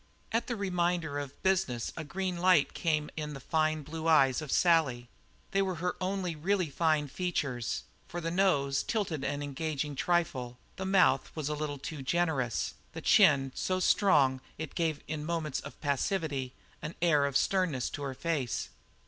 At the reminder of business a green light came in the fine blue eyes of Sally. They were her only really fine features, for the nose tilted an engaging trifle, the mouth was a little too generous, the chin so strong that it gave, in moments of passivity, an air of sternness to her face.